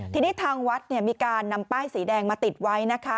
ทีนี้ทางวัดมีการนำป้ายสีแดงมาติดไว้นะคะ